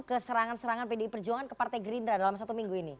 ke serangan serangan pdi perjuangan ke partai gerindra dalam satu minggu ini